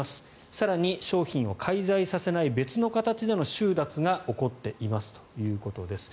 更に、商品を介在させない別の形での収奪が起こっていますということです。